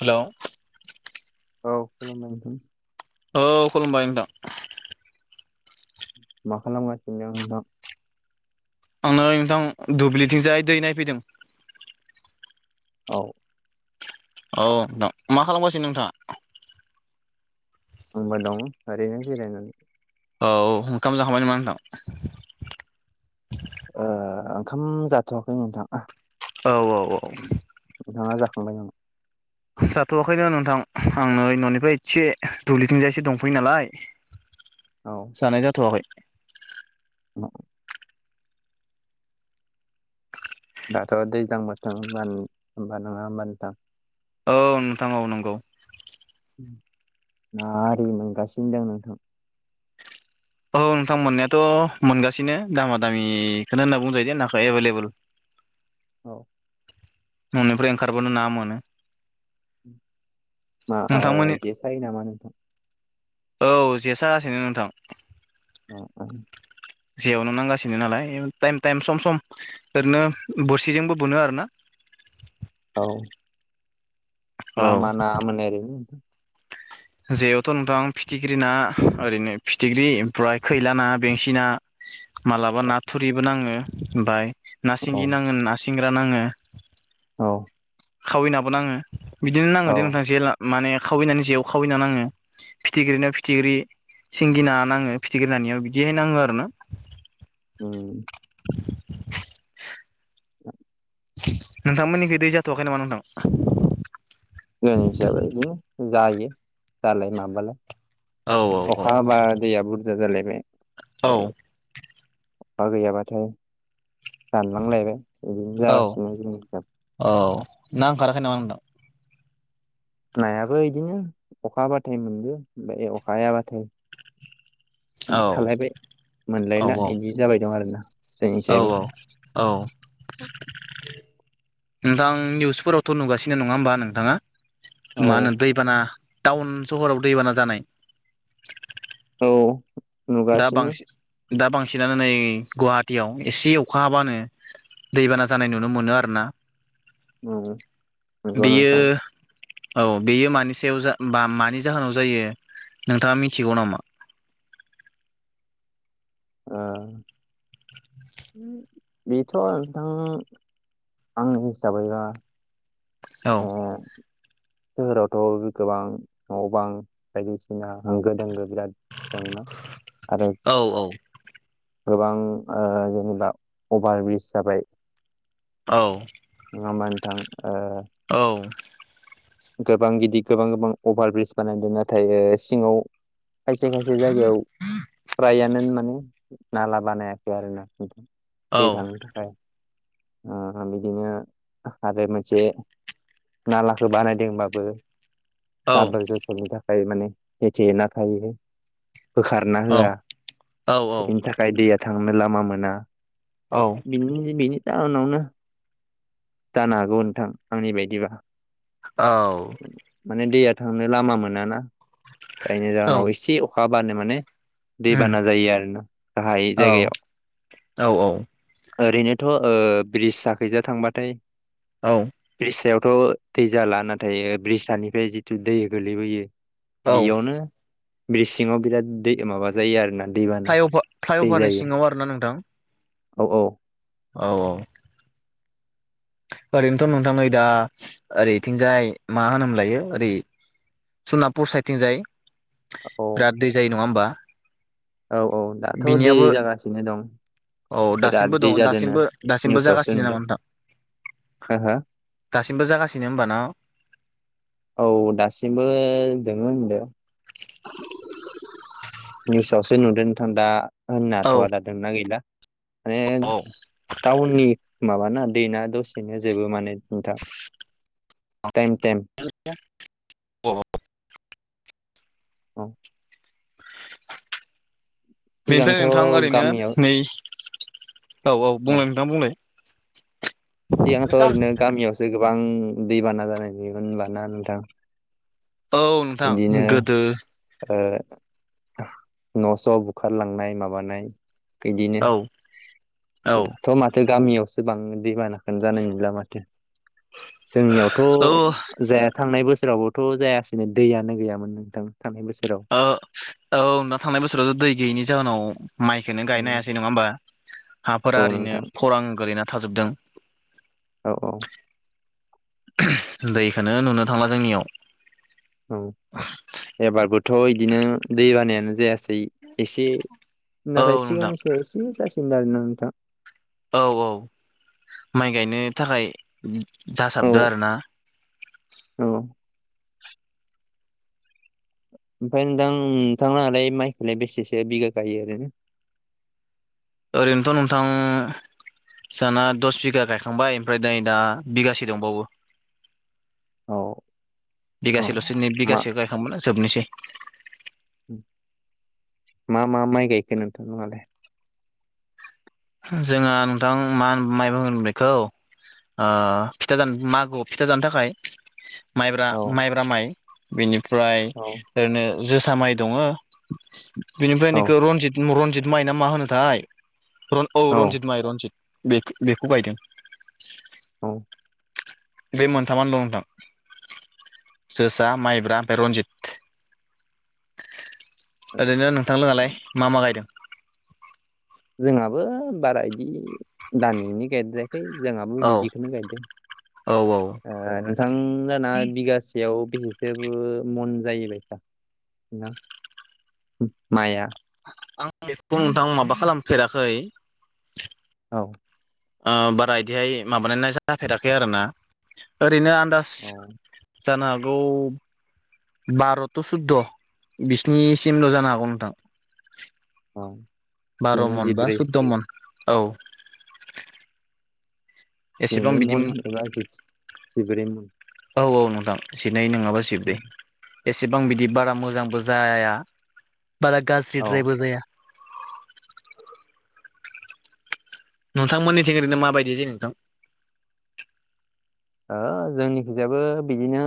Hello औ खुलुमबाय औ खुलुमबाय नोंथां मा खालामगासिनो दं नोंथां? आं नै नोंथां दुब्लिथिंजाय दै नायफैदों औ औ नोंथां मा खालामगासिनो नोंथाङा? होमबा दं ओरैनो जिरायनानै औ ओंखाम जाखांबाय नामा नोंथां? ओ ओंखाम जाथ'वाखै नोंथां। औ औ औ। नोंथाङा जाखांबाय नामा? जाथ'वाखैनो नोंथां आं नै न'निफ्राय एसे दुब्लिथिंजायसो दंफैयो नालाय औ जानाय जाथ'वाखै। [inaudible] दाथ' दैज्लां बोथों होमबा होमबा नङा होमबा नोंथां? औ नोंथां औ नोंगौ। ना आरि मोनगासिनो दों नोंथां। औ नोंथां मोननायाथ' मोनगासिनो दामा दामिखोनो होनना बुंजायो दे नाखो एभेलेबल औ न'निफ्राय ओंखारबोनो ना मोनो। मा नोंथांमोननि ओ जे सायो नामा नोंथां? औ जे सागासिनो नोंथां। आ आ जेयावनो नांगासिनो नालाय टाइम टाइम सम सम ओरैनो बोरसिजोंबो बोनो आरो ना। औ मा औ मा ना मोनो ओरैनो? जेयावथ' नोंथां फिथिख्रि ना ओरैनो फिथिख्रि ओमफ्राय खैला ना बेंसि ना मालाबा औ ना थुरिबो नाङो ओमफाय ना सिंगि नाङो ना सिंग्रा नाङो। औ खावैनाबो नाङो बिदिनो नाङो दे औ नोंथां जे माने खावैनानै जेआव खावै ना नाङो। फिथिख्रिनियाव फिथिख्रि सिंगि ना नाङो फिथिख्रि नानिया बिदिहाय नाङो आरो ना। उम। [inaudible] नोंथांमोननिखै दै जाथवाखै नामा नोंथां? जोंथि जायबो इदिनो जायो जालाय माबालाय। औ अखा हाबा दैया बुरजा जालायबाय आइ औ अखा गैयाबाथाय दानलांलायबाय इदिनो औ जागासिनो जोंनि [unintelligible] औ ना ओंखाराखै नामा नोंथां? नायाबो इदिनो अखा हाबाथाइ मोनदो ओनफाय अखा हाबाथाय औ थालायबाय औ मोनलायला इदि जाबाय दं आरोना। औ जोंनिसायबो औ औ। नोंथां निउसफोरावथ' नुगासिनो नङा होमबा नोंथाङा? औ मा होनो दैबाना टाउन सहराव दैबाना जानाय। औ दा नुगासिनो बांसि दा बांसिनानो नै गुवाहाटियाव एसे अखा हाबानो दैबाना जानाय नुनो मोनो आरो ना। औ नंगौ बियो नोंथां औ बेयो मानि सायाव जा बा मानि जाहोनाव जायो नोंथाङा मिनथिगौ नामा? आ बिथ' नोंथां आंनि हिसाबैबा औ ए सोहोरावथ' गोबां न' बां बायदिसिना होंगो दोंगो बिराद जोंना आरो। औ औ गोबां जेनेबा अभार ब्रिज जाबाय। औ। नङा होनबा नोंथां। औ गोबां गिदिर गोबां गोबां अभार ब्रिज बानायदों नाथाय सिङाव। खायसे खायसे जायगायाव फ्रायानो माने नाला बानायाखै आरो ना खथ औ दै थांनो थाखाय। बिदिनो आरो मोनसे नालाखौ बानायदों। जोंबाबो औ गाबोल जोथलनि थाखाय माने हेथेना थायो। बोखारना होआ औ बेनि थाखाय दैया थांनो लामा मोना। औ। बिनि उनावनो जानो हागौ नोंथां आंनि बायदिबा। औ माने दैया थांनो लामा मोनाना जायनि औ जाहोनाव एसे अखा बानो माने। उम दैबाना जायो आरोोना गाहाय औ जायगायाव। औ ओरैनोथ' ब्रिज साखैजों थांबाथाय औ। ब्रिज सायावथ' दै जाला नाथाय ब्रिज्सानिफ्राय जिथु दै गोलैबोयो। औ बेयावनो ब्रिसि सिङाव बिराद दै माबा। जायो आरोोना दैबाना फ्लाइअभार दै फ्लाइअभारनि जायो सिङाव आरोना नोंथां औ औ। औ औ। ओरैनोथ' नोंथां नै दा ओरैथिंजाय मा होनोम लायो ओरै। सनापुर साइडथिं जायो औ। दै जायो नङा होनोमबा औ औ दाथ' दै जागासिनो दं। औ बिराद दासिमबो दै दं जादोंनो दासिमबो दासिमबो निउसावसो जागासिनो नामा नुदों नोंथां। हो हो दासिमबो जागासिनो होनबा औ दासिमबो जोङो होनदों। निउसावसो नुदोंोंथां दा औ होननााथ' आ दादोंना गैला माने। औ टाउननि माबाना दैना दसेनो जोबो माने जोंथा। टाइम टाइम अ औ। बेनिफ्राय सिगांथ' नोंथां ओरैनो गामियाव नै औ औ बुंलाय नोंथां बुंलाय। सिगांथ' ओरैनो गामियावसो गोबां दैबाना जानायोनबाना नोंथां। औ नोंथां बिदिनो गोदो। न'स' बुखारलांनाय माबानाय। बिदिनो औ द औ थ' माथो गामियावसो बांनो दैमानाखोन जानाय नंला माथो। जोंनियावथ' ओ जाया थांनाय बोसोरावबोथ' जायै। दिदिनो दैयानो गैयामोन नोंथां थांनाय बोसोराव औ ना थांनाय बोसोरावथ' दै गैयैनि जाहोनाव। माइखोनो गायनो हायासै नङा होमबा औ हाफोरा ओरैनो नोंथां खरां गोलैना थाजोबदों। औ औ। दैखौोनो नुनो थाङा जोंनियाव। औ एबारबोथ' बिदिनो दै बानायानो जायासै। एसे औ नाथाय नोंथां सिगांसो एसे जासिगोन आरो ना नोंथां। औ औ माइ गायनो थाखाय औ जासाबदो आरो ना। औ। ओमफ्राय नोंथां नोंथाङालाय माइखौलाय बेसेसो बिगा गायो आरो ओरैनोथ' नोंथां। बिसाना दस बिगा गायखांबाय ओमफ्राय नै दा बिगासे दंबावो। औ। औ बिगासेल'सो मा बिगासे गायखांबोनो जोबनोसै मा मा माइ गायखो नोंथां मोनालाय? जोंहा नोंथां मा होन माइ बुंगोन बेखौ फिथा जानो मागोआव फिथा जानो थाखाय माइब्रा औ माइब्रा माइ बेनिफ्राय औ ओरैनो जोसा माइ दङ बिनिफ्राय औ बेखौ रनजित रनजित माइनाा मा होनोथाय औ रनजित माइ रनजित बे बेखौ बायदों। औ बे मोनथामानो दं नोंथां। जोसा माइब्रा ओमफ्राय रनजित ओरैनो नोंथां लोङालाय मा मा गायदों? जोंहाबो बारा इदि दामिनि गाइेर जाय जोंहाबो औ बिदिखौनो गायदों। औ औ नोंथां जाना बिगासेयाव बेसेसोबो मन जायोबाय सा माया आं बेखौ नोंथां माबा खालामफेराखै औ। बारा बिदिहाय माबानायनाय जाफेराखै आरो ना ओरैनो आ औ। जानो हागौ बार'थ' सुद' बिसिनिसिमल' जानो हागौ नोंथां। औ। बार' दिनै मन बा जिब्रै सुदद' मन औ। एसेबां दिनि बिदि मन एबा जि बिब्रै मन औ औ नोंथां जिनै नङाबा सिब्रै एसेबां बिदि बारा मोजांबो जाया बारा औ गाज्रिद्रायबो जाया। नोंथांमोननिथि ओरैनो माबायदि जायो नोंथां? ओ जोंनि खिजायबो बिदिनो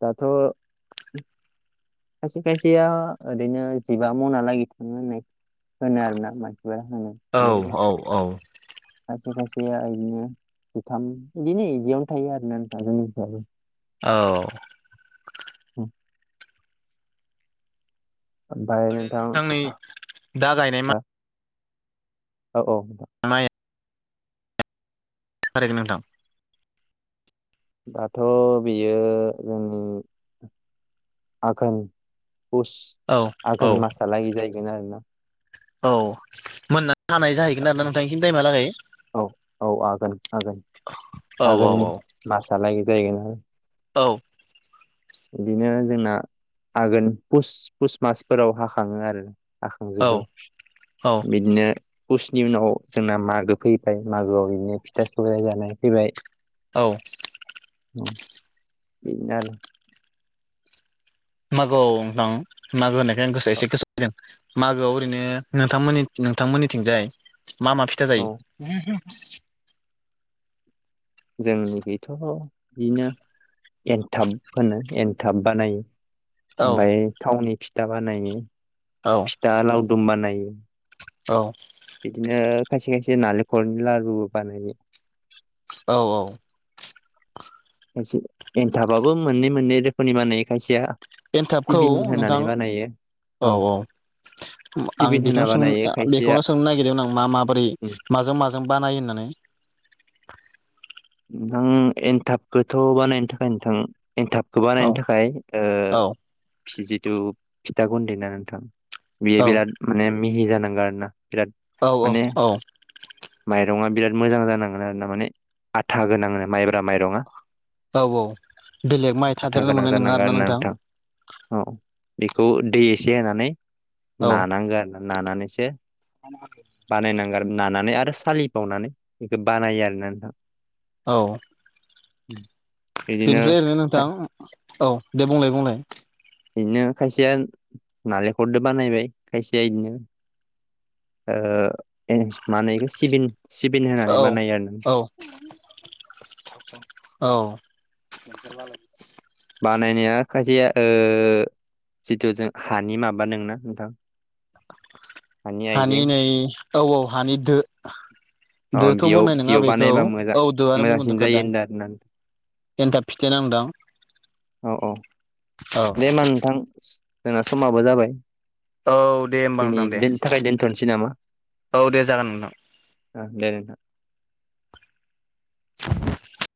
दाथ' खायसे खायसेया ओरैनो जिबा मनालागै थाङो होननाय होन आरो न मानसिब होन औ औ औ। खायसे खायसेया बिदिनो जुथाम बिदिनोयावनो थायो आरोना नोंथां जोंनिफ्रायबो औ। ओमफ्राय ओरैनो नोंथां नोंथांनि दा गायनाय मा औ औ। म [unintelligible] फरायगोन नोंथां। दाथ' बेयो जोंनि आघोन पस औ औ आघोन मासहालागै जाहैगोन आरोना। औ मोननो हानाय जाहैगोन आरो ना नोंथांनिसिनि टाइमहालागै। औ औ आगोन आगोन औ आघोन औ मासलागै जाहैगोन आरो। औ। बिदिनो जोंना आघोन पुस मासफोराव हाखाङो आरो औ जाखांजोबो औ बिदिनो पुसनि उनाव जोंना मागो फैबाय मागोआव बिदिनो फिथा सौराय जानानै फैबाय औ बिदिनो आरो मागोआव नोंथां मागो होननायखाय आं गोसो एसे गोसोआव फैदों मागोआव ओरैनो नोंथांमोननि नोंथांमोननिथिंजाय मा मा फिथा औ जायो जोंनिखैथ बिदिनो एनथाब होनो एनथाब बानायो औ ओमफ्राय थावनि फिथा बानायो औ फिथा लावदुम बानायो औ बिदिनो खायसे खायसे नालेंखलनि लारु बानायो औ औ खायसे एन्थाबाबो मोननै मोननै रोखोमनि बानायो खायसेया एन्थाबखौ सिबिन होनानै नोंथां बानायो औ औ आं सिबिन होना बेखौनो सों बानायो खायसेया बेखौनो सोंनो नागिरदोंमोन आं मा माबोरै उम माजों माजों बानायो होननानै नोंथां एन्थाबखौथ बानायनो थाखाय नोंथां एन्थाबखौ औ बानायनो थाखाय औ ओ जिथु फिथा गनन्दै ना नोंथां औ बियो बिराद माने मिहि जानांगो आरोना बिराद औ औ माने औ माइरङा बिराद मोजां जानांगोन आरोना माने आथा गोनां माइब्रा माइरङा औ औ बेलेग माइ आथा थादेरनो गोनां मोननाय नङा जानांगौ आरो आरोना ना नोंथां औ बेखौ दै एसे होनानै औ नानांगो आरो नानानैसो [unintelligible] बानायनांगो आरो नानानै आरो सालिबावनानै बेखौ बानायो आरोना नोंथां औ उम बेनिफ्राय ओरैनो नोंथां औ दे बुंलाय बुंलाय इदिनो खायसेया नालेंखरदो बानायबाय खायसेया इदिनो ओ ए मा होनो इखो सिबिन सिबिन हो औ औ औ बानायनाया खायसे ओ जिथु जों हानि माबा दोंना नोंथां हानि नै औ औ हानि दो अ दोथ बेयाव बुंनाय नङा बेयाव बेखौ बानायबा मोजां औ दोआनो मोजांसिन जायो बुंगोनखोदां होनदों आरोना नोंथां। एन्थाब फिथायाना नोंथां औ औ दे होमबा नोंथां जोंना समाबो जाबाय औ दे होमबा दिनै नोंथां दे दोनैनि थाखाय दोन्थनोसै नामा औ दे जागोन नोंथां ओ दे नोंथां [inaudible]